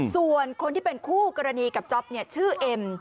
ส่วนคนที่เป็นคู่กรณีกับจ๊อปชื่อเอ็ม